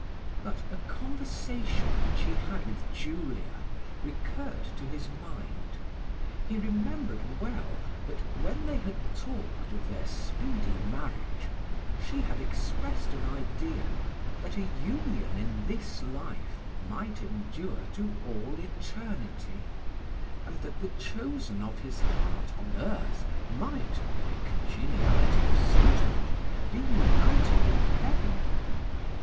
But a conversation which he had with Julia recurred to his mind: he remembered well, that when they had talked of their speedy marriage, she had expressed an idea, that a union in this life might endure to all eternity; and that the chosen of his heart on earth, might, by congeniality of sentiment, be united in heaven.